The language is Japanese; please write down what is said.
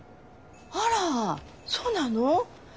あらそうなの？